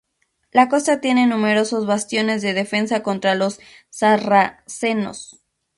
La costa tiene numerosos bastiones de defensa contra los sarracenos.